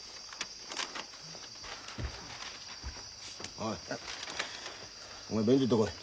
おいおめえ便所行ってこい。